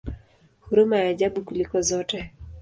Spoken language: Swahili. Huruma ya ajabu kuliko zote!